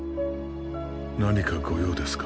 何か御用ですか？